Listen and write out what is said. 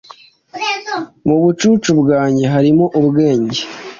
Mu bucucu bwanjye harimo ubwenge